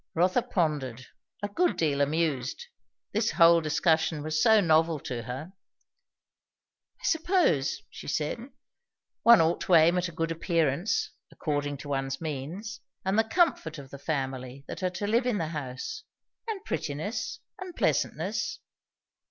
Rotha pondered, a good deal amused; this whole discussion was so novel to her. "I suppose," she said, "one ought to aim at a good appearance according to one's means, and the comfort of the family that are to live in the house, and prettiness, and pleasantness."